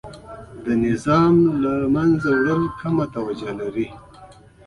خو د نظام له منځه وړل کمه توجیه لري.